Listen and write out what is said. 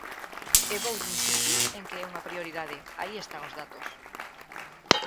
E voulle insistir en que é unha prioridade, aí están os datos.